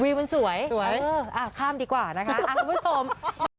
วิวมันสวยข้ามดีกว่านะคะ